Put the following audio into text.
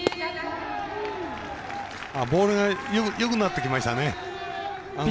ボールがよくなってきましたね。